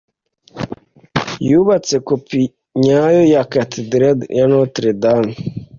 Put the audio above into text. Yubatse kopi nyayo ya Katedrali ya Notre Dame.